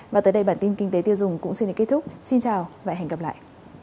và tới đây bản tin kinh tế tiêu dùng cũng xin đến kết thúc xin chào và hẹn gặp lại